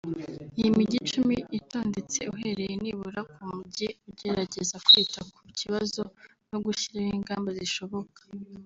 Iyi migi icumi itondetse uhereye nibura ku mujyi ugerageza kwita ku kibazo no gushyiraho ingamba zishoboka